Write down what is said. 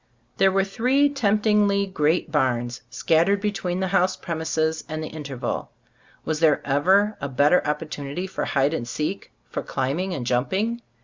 There were three temptingly great barns, scattered between the house premises and the interval. Was there ever a better opportunity for hide and seek, for climbing and jumping?